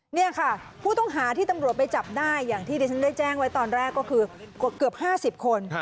นี่ค่ะผู้ต้องหาที่ตำรวจไปจับได้อย่างที่ดิฉันได้แจ้งไว้ตอนแรกก็คือเกือบ๕๐คน